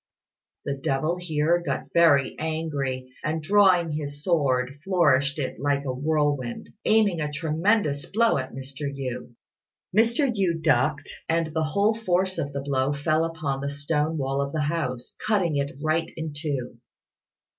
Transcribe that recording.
The devil here got very angry, and drawing his sword flourished it like a whirlwind, aiming a tremendous blow at Mr. Yü. Mr. Yü ducked, and the whole force of the blow fell upon the stone wall of the house, cutting it right in two.